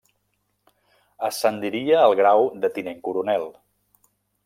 Ascendiria al grau de tinent coronel.